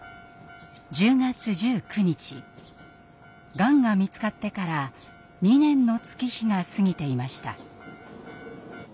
がんが見つかってから２年の月日が過ぎていました。